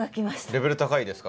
レベル高いですか？